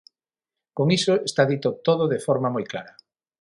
Con iso está dito todo de forma moi clara.